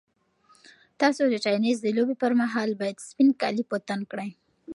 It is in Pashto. تاسو د تېنس د لوبې پر مهال باید سپین کالي په تن کړئ.